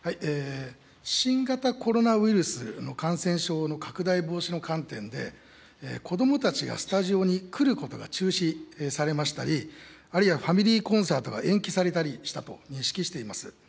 新型コロナウイルスの感染症の拡大防止の観点で、子どもたちがスタジオに来ることが中止されましたり、あるいはファミリーコンサートが延期されたりしたと認識しています。